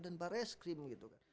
dan barreskrim gitu kan